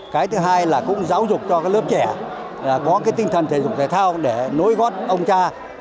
cái thứ hai là cũng giáo dục cho các lớp trẻ có cái tinh thần thể dục thể thao để nối gót ông cha